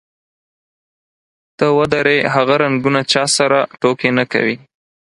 ته ودرې، هغه رنګونه چا سره ټوکې نه کوي.